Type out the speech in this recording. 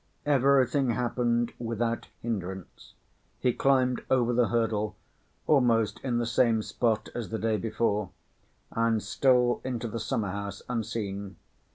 Everything happened without hindrance, he climbed over the hurdle almost in the same spot as the day before, and stole into the summer‐house unseen.